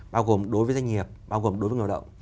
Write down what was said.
bao gồm đối với doanh nghiệp bao gồm đối với người lao động